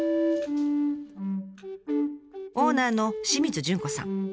オーナーの清水潤子さん。